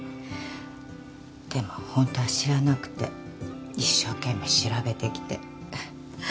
でもホントは知らなくて一生懸命調べてきて教えてくれたの。